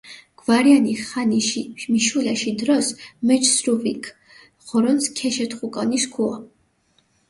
გვარიანი ხანიში მიშულაში დროს, მეჩჷ სრუვილქ, ღორონს ქეშეთხუკონი სქუა.